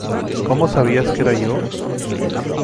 ¿ Cómo sabías que era yo?